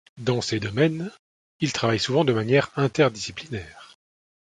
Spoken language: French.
Dans ces domaines, il travaille souvent de manière interdisciplinaire.